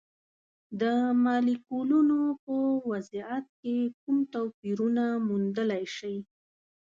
د مالیکولونو په وضعیت کې کوم توپیرونه موندلی شئ؟